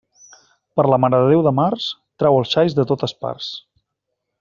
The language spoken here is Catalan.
Per la Mare de Déu de març, trau els xais de totes parts.